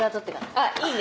あっいいね。